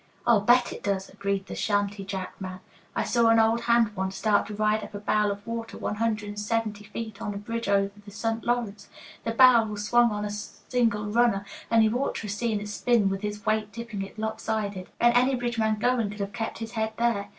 "I'll bet it does," agreed the shanty jack man. "I saw an old hand once start to ride up a barrel of water one hundred and seventy feet on a bridge over the St. Lawrence. The barrel was swung on a 'single runner,' and you ought to have seen it spin with his weight tipping it lopsided! Ain't any bridge man going could have kept his head there.